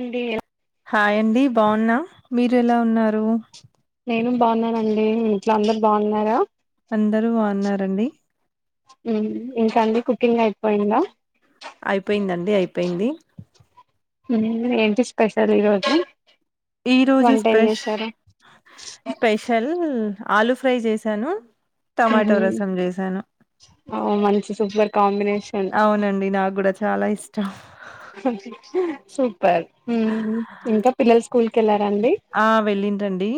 ఏంటి హాయ్ండి బాగున్నా మీరు ఎలా ఉన్నారు నేను బాగున్నానండి ఇంట్లో అందరుూ బాగున్నారా అందరూ బాన్నారండి ఇంకా అండి కుకింగ్ అయిపోయింద అయిపోయిందండి అయిపోయింది ఏంటి స్పెషల్ ఇరోజు ఈ రోజు స్పెష్ స్పెషల్ ఆలు ఫ్రై చేశాను టమాటో రసం చేశాను అఓ మంచి సూపర్ కాంబినేషన్ అవునండి నాకు కూడా చాలా ఇష్టం స పిల్లలు స్కూల్ కి వెళ్ళారండి ఆ వెళ్ళింటండి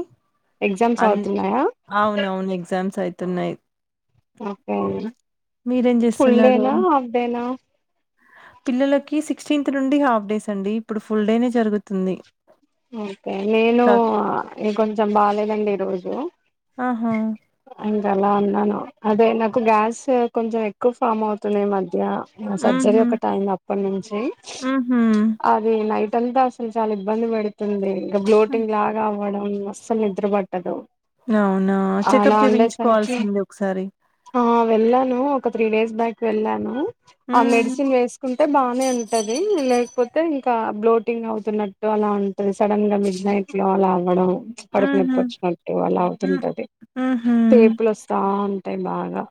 ఎగ్జామ్స్ అన్ అవుతున్నాయా అవునవును ఎగ్జామ్స్ అయితున్నాయి ఓకే మీరేం ఫుల్ చేస్తున్నారు డేనా హాఫ్ డేనా పిల్లలకి సిక్స్టీన్త్ నుండి హాఫ్ డేస్ అండి ఇప్పుడు ఫుల్ డేనే జరుగుతుంది ఓకే నేను క కొంచెం బాలేేదండి ఈ రోజు ఆహా అవు అలా ఉన్నాను అదే నాకు గ్యాస్ కొంచెం ఎక్కువ ఫామ్ అవుతుంది మధ్య సర్జరీ మ్హూ ఒక్కటియేది అప్పటి నుంచి మ్హూ అది నైట్ ఎంత అసలు చాలా ఇబ్బంది పడుతుంది ఇంకా బ్లోటింగ్ లాగా అవ్వడం అస్సలు నిద్ర పట్టదు అవునా అలా చెకప్ ఉండేసరికి చేపించుకోవాల్సింది ఒకసారి ఆ వెళ్ళాను ఒక త్రి డేస్ బక్ వెళ్ళాను ఆ హ్మ్. మెసిన్ వ అంటే బాగానే ఉంటది లేకపోతే ఇంకా బ్లోటింగ్ అవుతున్నట్టు అలా ఉంట అది సడన్ గా మిడ్ నైట్ లో వాలా అవడం కడుకు నొప్పు హుహు. వచ్చినట్టు అలా హ్మ్. అవుతుంటది హుహు. టేపులు వస్తా ఉంటాయి బాగా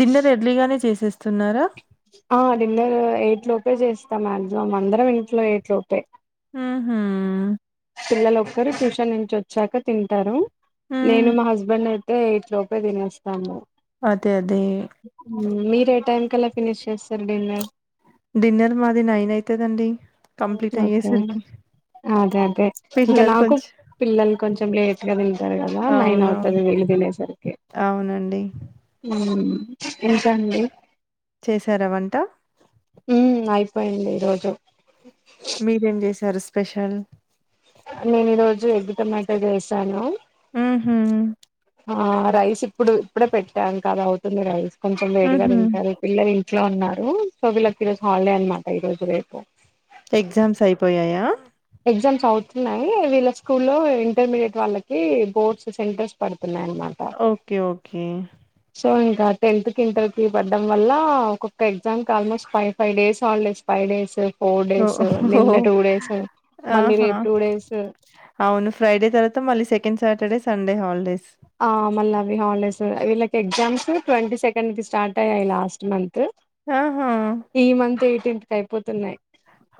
డిన్నర్ ఎర్లీగానే చేసేస్త ఆ డిన్నర్ ఎయిట్ లోపే చేస్తా మాక్సిమం అందరం ఇంట్లో ఎయిట్ లోపే హ్మ్ హు పిల్లలు ఒక్కరు ట్యూషన్ నుంచి వచ్చాక తింటారు హ్మ్. నేను మా హస్బెండ్ అతే ఎయిట్ లోపే తినేస్తాము అదే. అదే. మీరే టై కలా ఫినిష్ చేస్తారు డిన్నర్ డిన్నర్ మాది నైన్ అవుతుందండి కంప్లీట్ అయ్యేసరికి తె ఇంకా పిల్లలు నాకు కొంచెం పిల్లలు కొంచం లేట్గా తెలు టారు కదా నైన్ అవుతది అవునవును. వీళ్ళు తినేసరికి అవునండి. ఇంకా అండి చేశారా వంట ఉ అయిపోయింది ఈ రోజు మీరేం చేశారు స్పెషల్ నేను ఈ రోజు ఎగ్ టమాటా చేసాను హ్మ్ హు ఆ రైస్ ఇప్పుడు ఇప్పుడే పెట్టాం కద అవుతుంది రైస్ కొంచెం వేడిగా హుహు. తింటారు పిల్లలు లో ఉన్నారు సో విల్లాలి ఈ రోజు హాలిడే అనమాట ఈ రోజు రేపు ఎగ్జామ్స్ అయిపోయాయా ఎగ్జామ్స్ అవుతున్నాయి వీళ్ళ స్కూల్లో లో ఇంటర్మీడియట్ వాళ్ళకి బోర్డ్స్ సెంటర్స్ పడుతు ఓకే ఓకే సో ఇంకా టెన్త్ క ఇంటర్ కి పడ్డం వల్ల ఒొక్క ఎగ్జామ్ క almost five five days all days five days four days నిన్న ఓహ్! టూ ేస్ ఆహా అవును ఫ్రైడే తర్వాత మళ్ళీ సెకండ్ సాటర్డే సండే హాలిడేస్ ఆ మల్లవి హలేస అవిల ఎగ్జామ్స్ ట్వంటీ సెకండ్ి స్టార్ట్ అయ్యాయి లాస్ట్ మంత్ ఆహా! ఈ మంత్ ఎయిటిెన్త్ కి అయిపోతున్నాయి్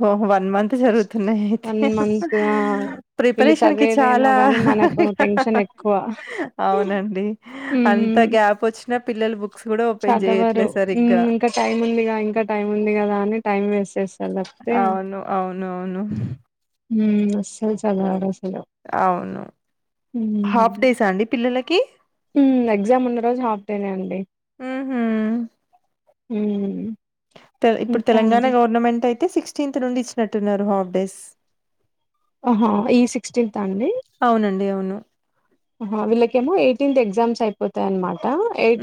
ఓ వన్ మంత్ జరుగుతున్నాయి అయితే వన్ మంత్ ఆ వీళ్ళు ప్రిపరేషన్ కి చదివేదేమో చాలా గాని మనకు టెన్షన్ ఎక్కువ [unintelligible] అవునండి అంత మ్మ్ గ్యాప్ వచ్చినా పిల్లలు బుక్స్ కూడా ఓపెన్ చేయట్లేదు సరిగ్గా టైమ్ ఉందిగా ఇంకా టైం ఉంది కదా అని టైం వేస్ేస్తాంది అవును అవును అవును సలు చాలడ సలు అవును. హాఫ్ డేసా అండి పిల్లలకి? ఎగ్జామ్ ఉన్న రోజు హాఫతేనే అండి ఆ హ హ ఇప్పుడు తెలంగాణ గవర్నమెంట్ అయితే సిక్స్టీన్త్ నుండి ఇచ్చినట్టున్నారు హాఫ్ డేస్ ఆహా ఈ సిక్స్టీన్త్ అంగ్డి అవునండి. అవును. వీళ్ళకేమో ఎయిటీన్త్ ఎగ్జామ్స్ అయిపోతాయ అనమాట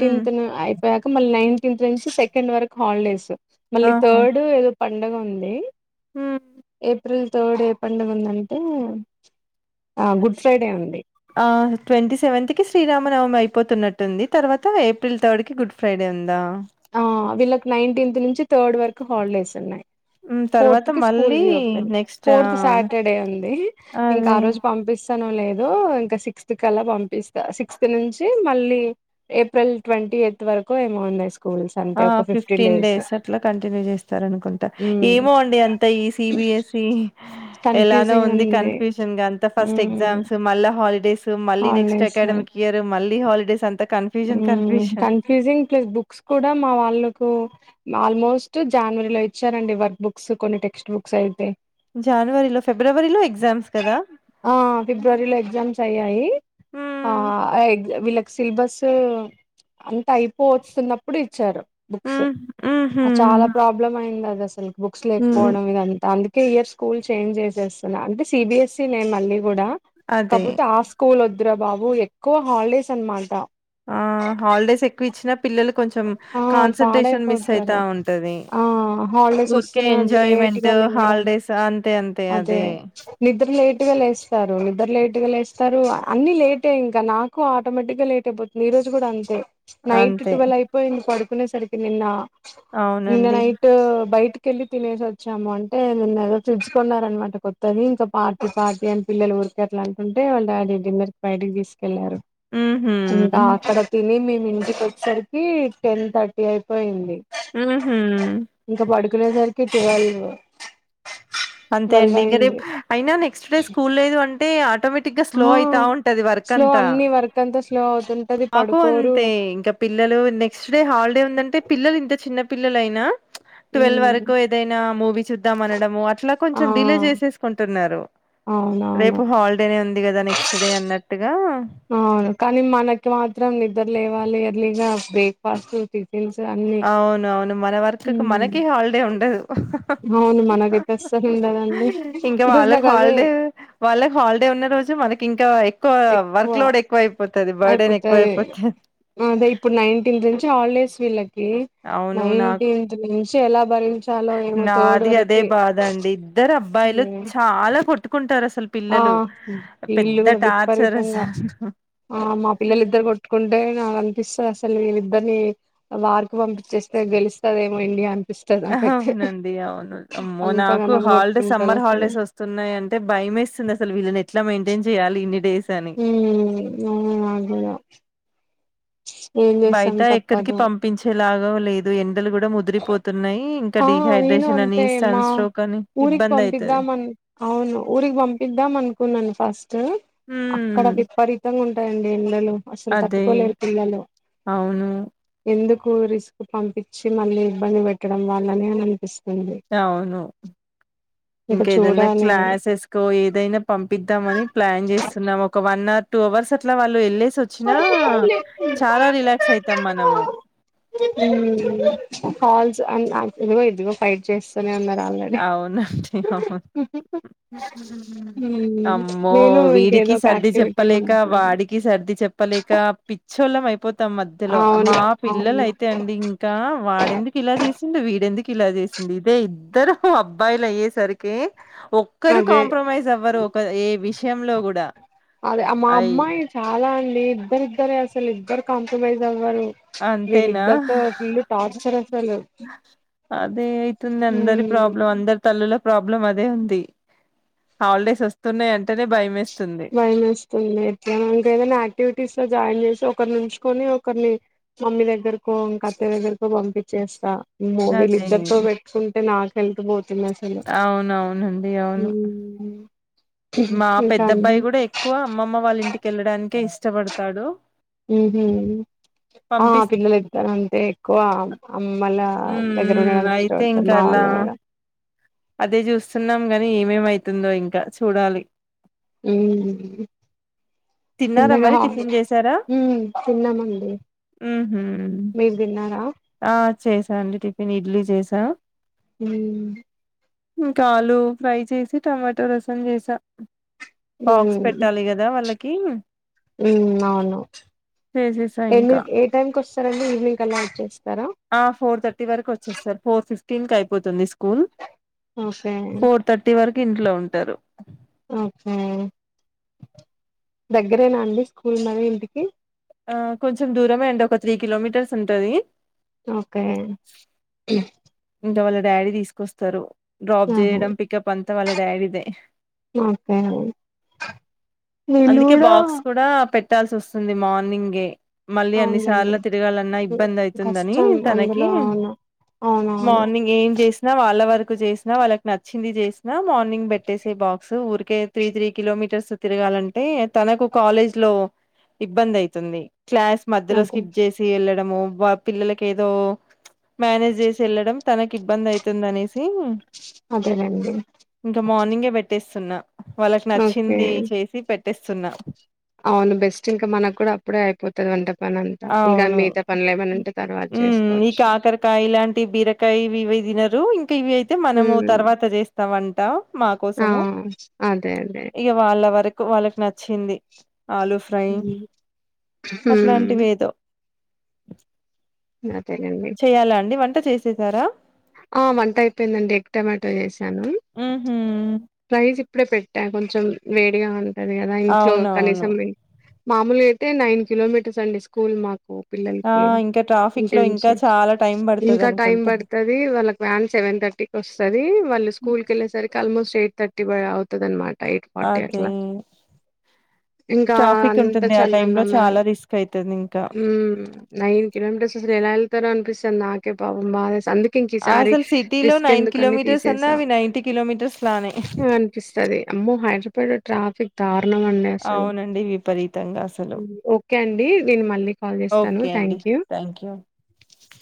హ్మ్. ను అయిపోయాక మళ్ళీ నైన్త్ సి నుంచి సెకండ్ వరకు హాలిడేస్ మళ్ళీ ఆహా! థర్డ్ ఏదో పండగ ఉంది హ్మ్. ఏప్రిల్ థర్డ్ పండుగ ఉందంటే ఆ గుడ్ ఫ్రైడే ఉంది ట్వంటీ సెవెంత్ శ్రీరామనవమి అయిపోతున్నట్టుంది తర్వాత ఏప్రిల్ థర్డ్కిి గుడ్ ఫ్రైడే ఉందా ఆ వీళ్ళకి నైన్టీన్త్ నుంచి థర్డ్ వరకు హాలిడేస్ ఉన్నాయి మ్ తర్వాత ఫోర్త్ కి స్కూల్ మళ్ళీ రీఓపెన్ నెక్స్ట్ ఆ ఫోర్త్ సాటర్డే ఉంది ఇంకా అది ఆ రోజు పంపిస్త లేదో ఇంకా సిక్స్త్ కలా పంపిస్తా సిక్స్త్ నుంచి మళ్ళీ ఏప్రిల్ ట్వంటీ ఎత్ వరకు ఏమో ఉన్నాయి స్కు ఆ ఫిఫ్టీన్ డేస్ అట్లా కంటిన్యూ చేస్తారు అనుకుంటా ఉమ్ ఏమో అండి అంత ఈ సి బి ఎస్ సి ఎలానో ఉంది కన్ఫ్యూషన్ అంత ఫస్ట్ ఉమ్ ఎగజామ్స్ మళ్ళ హాలిడ మళ్ళీ నెక్స్ట్ హాలిడేస్ అకాడమిక్ ఇయర్ మళ్ళీ హాలిడేస్ అంతా confusion confusion confusing plus books కూడా మా వాళ్ళలకు ఆల్మోస్ట్ జానవరి లో ఇచ్చారండి వర్క్ బుక్స్ కొన్ని టెక్స్ట్ బుక్స్ అయితే జనవరిలో ఫిబ్రవరిలో ఎగ్జామ్స్ కదా ఆ ఫిబ్రవరిలో ఎగ్జామ్స్ అయ్యాయి ఆ మ్ వీళ్ళకి సిలబస్ అంత అయిపో వస్తున్నప్పుడు ఇచ్చారు బుక్స్ మ్ మ్హు చాలా ప్రాబ్లమ్ అయింది అది అసలు బుక్స్ మ్ లేకపోవడం ఇద అంతా అందు ఒక ఇయర్ స్కూల్ చేంజ్ చేసేస్తున్నా అంటే సిబిఎస్ఈ నేమ్ మళ్లి గుడా అదే కాకపోతే ఆ స్కూల్ వద్దురా బాబు ఎక్కువ హాలిడేస్ అనమాట ఆ హాలిడేస్ ఎక్కువ ఇచ్చినప్పు పిల్లలు కొంచెం ఆ కాన్సన్ంట్రేషన్ మిస్ అయితా పాడైపోతారు ఉంటంది ఆ హాలిడేస్ ఊరికే వస్తున్నా ఎంజాయ్ం లేట్గా మెట్ లేవడం హాలిడేస్ అంతే అంతే అదే ఇస్తారు నిద్దరు లేట్ గా లేస్తారు అన్ని లేట్ ఇంకా నాకు ఆటోమేటిక్ గా లేట్ అయిపోతుంది ఈ రోజు గుడా అంతే నైట్ అంతే ట్వెల్ అయిపోయింది పడుకునేసరికి నిన్న నిన్న అవునండి నైట్ బయటి కెళ్లి తినేసి వచ్చాము అంటే నిన్న ఏదో చిప్స్ కొన్నారనమాట కొత్తది ఇంకా పార్టీ పార్టీ అని పిల్లలు ఎట్లాంటే వాళ్ళ డాడీ డిన్నర్ బైటికీ తీసు వెళ్ళారు ఉహు ఇంకా అక్కడ తిని మేము ఇంటికి వచ్చేసరిక్ కి టెన్ థర్టీ అయిపోయింది హ్మ్మ్ హ్మ్మ్ వెళ్లే సరికి ట్వల్వ్ అంతే అండి ఇంకా రేపు అయినా నెక్స్ట్ డే స్కూల్ లేదు అంటే ఆటోమేటిక్ గా స్లో ఆ అయితా ఉంటుంది వర్క్ స్లో అంతా అన్ని వర్క్ అంతా స్లో అవుతుంటది మాకు పడుకోరు అంతే ఇంకా పిల్లలు నెక్స్ట్ డే హాలిడే ఉందంటే పిల్లలు ఇంత చిన్న పిల్లలయినా ట్వెల్వ్ వరకు ఉమ్ ఏదైనా మూవీ చూద్దాం అనడము అట్లా ఆ కొంచం డిలే చేసేస్కుంటున్నారు అవునవును రేపు హాలిడే ఉంది కదా నెక్స్ట్ డే అన్నట్టు అవును కానీ మనకి మాత్రం నిద్ర లేవాలి యర్లీగా బ్రేక్ఫాస్ట్ టి అవును అవును మన వర్క్ ఉమ్ మనకి హాలిడే ఉండదు అవును మనకైతే అస్సలు ఉండదండి ఇంకా ఈరోజు వాళ్ళకి నాకు అదే హాలిడే వాళ్ళకి హాలిడే ఉన్నాద రోజు మనకి ఇంకా ఎక్కువ ఎక్కువ వర్క్ లోడ్ ఎక్కువ అయిపోతుంది బర్డెన్ అయిపోతది ఎక్కువయిపోతది అదే ఇప్పుడు నైన్టీన్త్ నుంచి హాలిడేస్ వీళ్ళకి నైన్ నాకు టీన్త్ నుంచి ఎలా భరి నాది అదే బాధ అండి ఇద్దరు అబ్బాయిలు ఉమ్ చాలా కొట్తుకుంటారు అసలు ఆ పిల్లలు వీళ్ళు పెద్ద కూడా టార్చర్ అస్ విపరీతంగా ఆ మా పిలలు ఇద్దరు కొట్కుంటే అనిపిస్తుంది అసలు వీ ఇద్దరిని వార్ కి పంపించేస్తే గెలుస్తాదేమో ఇండియా అని అవునండి అవును అమ్మో నాకు అంతగానం హాలిడేస్ కొట్టుకుంటారు సమ్మర్ అసలు హాలిడేస్ ఉమ్ వస్తున్నాయ అంటే భయమే స్తుంది అసలు వీళ్ళని ఎట్లా మయింటైన్ చేయి ఇన్ని డేస్ అని. హుమ్ అవును నాకూడా బయట ఎక్కడికి తప్పదు పంపించేలాగ లేదు ఎండలు కూడా ముదిరిపోతున్నాయి ఇం ఆ నేను అంతే మా ఊరికి ఇబ్బందయితది. పంపిద్దామని అవును ఊరికి పంపిద్దాం అనుకున్నాను ఫస్ట్ అక్కడ హ్మ్. విపరీతంగా ఉంటాయండి ఎండలు అసలు అదే. తట్టుకోలేరు పిల్లలు అవును. ఎందుకు రిస్క్ పంపించి మళ్ళీ ఇబ్బంది పెట్టడం వాళ్ళని అని అనిపిస్తుంది అవును ఇంకా ఇంకేదైనా చూడాలి క్లాసెస్కో ఏదైనా పంపిద్దామని ప్లాన్ చేస్తున్నాం ఒక వన్ అవర్ టూ అవర్స్ అట్లా వాళ్ళు వెళ్ళేసి వచ్చినా చాలా రిలాక్స్ అయితాం మనము హాల్స్ అ ఇదిగో ఇదిగో ఫైట్ చేస్ అవును అండి అవును అమ్మో నేను వీడికి ఇంకేదో ఒక సర్ది యాక్టివిటీ చెప్పలేక వాడికి సర్ది చెప్పలేక పిచ్చోలం అయిపో మొత్తం మధ్యలో అవును మా పిల్లలు అవును అయితే అండి ఇంకా వాడెందుకు ఇలా చేసింది వీడెందుకు ఇలా చేసింది ఇదే ఇద్దరు అబ్బాయిలు అయ్యేసరికి ఒక్కరు అదే కాంప్రమైజ్ అవ్వరు ఒక ఏ విషయంలో కూడా అదే మా అయి అమ్మాయి చాలా అండి ఇద్దరిద్దర అసలు ఇద్దరు కాంప్రమైజ్ అవ్వారు అంతేనా వీళ్ళిద్దరితో ఫుల్ టార్చర్ అసలు అదే అయితుంది అందరి ప్రాబ్లం అందరి తల్లులో ప్రాబ్లం అదే ఉంది హాలిడేస్ వస్తున్నాయి అంటేనే భయం వేస్త భయని వస్తుంది ఎ ఇంకేదైనా యాక్టివిటీస్ లో జాయిన్ చేసి ఒకరి నుంచుకొని ఒకరిని మమ్మీ దగ్గరకో ఇంకా అత్త దగ్గరకు పంపించేస్తా ఆమ్మో అదే వీళ్ళిద్దరితో పెట్టుకుంటే నాకు హెల్త్ పోతుంది అసలు నందిడి అవును [unintelligible] పెద్ద దబ్బాయి కూడా ఎక్కువ అమ్మమ్మ వాళ్ళ ఇంటికి వెళ్ళడానికే ఇష్టపడతాడు ఉమ్ ఆ పంపిస్ పిల్లలు ఇద్దన అంటే ఎక్కువ అమ్మళ్ళ దగ్గర మ్మ్ ఉండడానికి అయితే ఇష్టపడతారు ఇంకా మా అలా వాళ్ళ అదే చూస్తున్నాం గాని ఏమేమవుతుందో ఇంకా చూడాలి మ్మ్ తిన్నారా తిన్నగా మరి టిఫిన్ చేసారా మ్ తినమంది మ్హూ మీర్ తిన్నారా ఆ చేసా అండి టిఫిన్ ఇడ్లీ చేసా హ ఇంక ఆలు ఫ్రై చేసి టమాటా రసం చేసా బాక్స్ పెట్టాలి కదా వాళ్ళకి ఉ అవును చేసేసా ఎన్ని ఇంకా ఏ టైమ్ కి వస్తారంండి ఈవినింగ్ అలా వచ్చేస్తారా ఆ ఫోర్ థర్టీ వరకు వచ్చే ఫోర్ ఫిఫ్టీన్ కి అయిపోతుంది స్కూల్ ఓకే ఫోర్ థర్టీ వరకు ఇంట్లో ఉంటారు ఓకే దగ్గరేనా అండి స్కూల్ మరీ ఇంటికి ఆ కొంచెం దూరమే అండి ఒక త్రీ కిలోమీటర్స్ ఉంటది ఓకే ఇంకా వాళ్ళ డాడీ తీసుకొస్తారు డ్రాప్ ఆహా చేయడం పికప్ అంతా వాళ్ళ డాడీదే ఓకే వీళ్ళు అందుకే కూడా బాక్స్ కూడా పెట్టాల్సి వస్తుంది మార్నింగ్గే మళ్ళీ అవునులేండి అన్నిసార్లు తిరగాలన్నా ఇబ్బంది అవుతుందని కష్టం తనకి అందులో అవును అవునవును మార్నింగ్ ఏం చేసి వాళ్ళ వరకు చేసినా వాళ్ళకి నచ్చింది చేసిన మార్నింగ్ పెట్టేసే బాక్స్ ఊరికే త్రీ త్రీ కిలో మీటర్లు మీటర్స్ తిరగాలంటే తనకు కాలేజ్ లో ఇబ్బంది అవుతుంది క్లాస్ మధ్యలో అదే స్కిప్ చేసి వెళ్ళడము పిల్లలకి ఏదో మేనేజ్ చేసి వెళ్ళడం తనకి ఇబ్బంది అవుతుందని అదేనండి ఇంకా మార్నింగే పెట్టేస్తున్నా వాళ్ళకి ఓకే నచ్చింది చేసి పెట్టేస్తున్నా అవును బెస్ట్ ఇంకా మనకు కూడా అప్పుడే అయిపోతుంది వంట పని అంతా ఇంకా మిగతా పనులే ఏమనింటే తర్వాత ఉ ఈ చేసుకోవచ్చు కాకరకాయ లాంటి బీరకాయ ఇవి తిన్నారు ఇంకా ఇవి అయితే మనము ఉమ్ తర్వాత చేస్తామంటా మా ఆ కోసము అదే అదే ఇక వాళ్ళ వరకు వాళ్ళకి నచ్చింది ఆలూ ఫ్రై అట్లాంటివి ఉమ్ ఏదో అ తెనండి ఎంత చేసేశారా ఆ వంట అయిపోయిందండి ఎక్ టమాటో చేసాను ఉహు ప్రై ఇప్పుడే పెట్టా కొంచెం వేడిగా ఉంటది కదా ఇంట్లో అవునవును కనీసం మామూలుగా అయితే నైన్ కిలోమీటర్స్ అండి స్కూల్ మాకు ఆ పిల్లలకి ఇంకా ట్రాఫిక్ ఇంటి లో ఇంకా నుంచి చాలా టైం పడుతది ఇంకా టైం అనుకుంటా పడుతది వాళ్ళకి వ్యాన్ సెవెన్ థర్టీకి వస్తుది వాళ్ళు స్కూల్ కీ వెళ్ళేసరికి ఆల్మోస్ట్ ఎయిట్ థర్టీ అవుతుది అనమాట ఎయిట్ ఫార్టీ ఆ అదే ట్ల ఇంకా ట్రాఫిక్ అంతా ఉంటుంది ఆ టైమ్ లో చల్లన్నమా చాలా రిస్క్ అయితది ఇంకా నైన్ కిలోమీటర్స్ అ ఎలా వెళ్తారో అనిపిస్తుంది నాకే పాపం బాగా అందు ఇంక ఈసారి అసలు సిటీలో రిస్క్ నైన్ ఎందుకని కిలోమీటర్స్ అన్నా తీసేసా అవి నైన్టీ కిలోమీటర్స్ లానే అనిపిస్తుది అమ్మో హైదరాబద్ ట్రాఫిక్ దారుణంగా ఉండడి అసలు అవునండి విపరీతంగా అసలు ఓకే అండి నేను మళ్ళీ కాల్ చేస్తాను okay thank you door sound